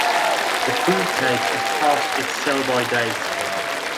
The fruit cake is past its sell-by date.